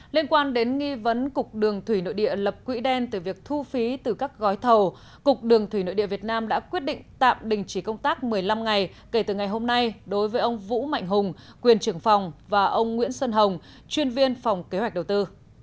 liên quan đến nghi vấn cục đường thủy nội địa lập quỹ đen từ việc thu phí từ các gói thầu cục đường thủy nội địa việt nam đã quyết định tạm đình chỉ công tác một mươi năm ngày kể từ ngày hôm nay đối với ông vũ mạnh hùng quyền trưởng phòng và ông nguyễn xuân hồng chuyên viên phòng kế hoạch đầu tư